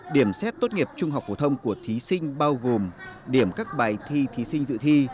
điểm xét tốt nghiệp trung học phổ thông của thí sinh bao gồm điểm các bài thi thí sinh dự thi